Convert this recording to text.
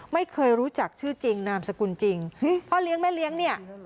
ไม่เคยรู้จักชื่อจริงนามสกุลจริงพ่อเลี้ยงแม่เลี้ยงเนี่ย